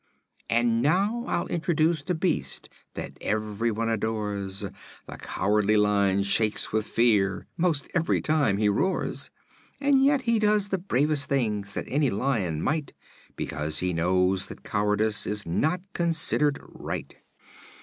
And now I'll introduce a beast that ev'ryone adores The Cowardly Lion shakes with fear 'most ev'ry time he roars, And yet he does the bravest things that any lion might, Because he knows that cowardice is not considered right.